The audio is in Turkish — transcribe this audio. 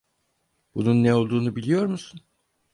Bunun ne olduğunu biliyor musun?